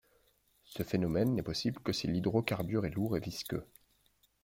Ce phénomène n'est possible que si l'hydrocarbure est lourd et visqueux.